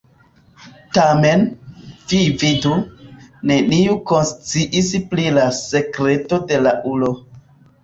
Tamen, vi vidu, neniu konsciis pri la sekreto de la ulo.